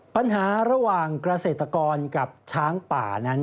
ปัญหาระหว่างเกษตรกรกับช้างป่านั้น